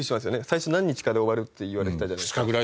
最初何日かで終わるって言われてたじゃないですか。